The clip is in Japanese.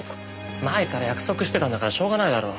前から約束してたんだからしょうがないだろ。